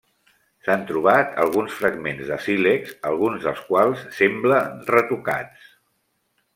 S'han trobat alguns fragments de sílex, alguns dels quals semblen retocats.